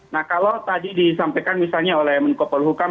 nah kalau tadi disampaikan misalnya oleh mincom hulkam